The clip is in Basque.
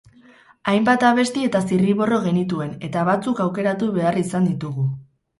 Hainbat abesti eta zirriborro genituen eta batzuk aukeratu behar izan ditugu.